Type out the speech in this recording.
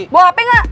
bawa hp gak